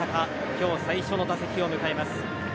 今日最初の打席を迎えます。